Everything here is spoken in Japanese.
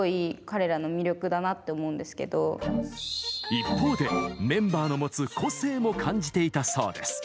一方でメンバーの持つ個性も感じていたそうです。